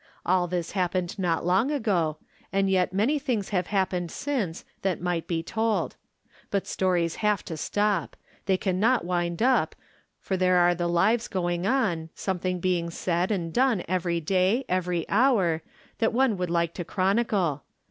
All this happened not long ago, and yet many things have happened since that might be told. But stories have to stop ; they can not wind up, for there are the lives going on, sometliing being said and done every day, every hour, that one would like to chronicle.